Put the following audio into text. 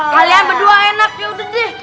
kalian berdua enak yaudah deh